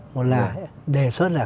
hoặc là đề xuất là